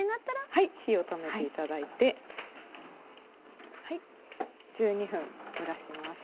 はい火を止めて頂いて１２分蒸らします。